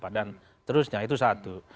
dan terusnya itu satu